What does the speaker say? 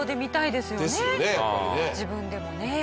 自分でもね。